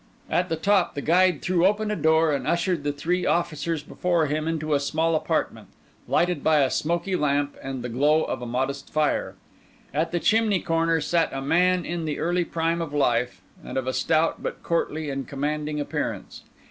At the top the guide threw open a door and ushered the three officers before him into a small apartment, lighted by a smoky lamp and the glow of a modest fire. At the chimney corner sat a man in the early prime of life, and of a stout but courtly and commanding appearance.